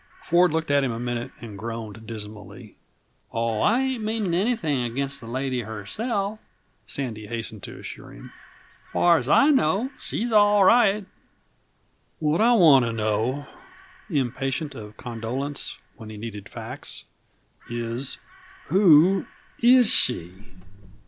Ford looked at him a minute and groaned dismally. "Oh, I ain't meaning anything against the lady herself," Sandy hastened to assure him. "Far as I know, she's all right " "What I want to know," Ford broke in, impatient of condolence when he needed facts, "is, who is she?